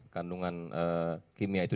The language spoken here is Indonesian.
kandungan kimia itu